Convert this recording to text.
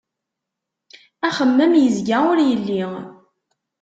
Axemmem yezga ur yelli.